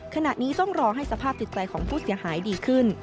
ขณะนี้ต้องรอให้สภาพจิตใจของผู้เสียหายดีขึ้น